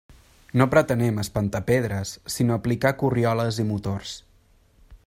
No pretenem espentar pedres, sinó aplicar corrioles i motors.